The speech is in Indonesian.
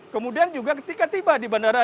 kemudian juga ketika tiba di bandara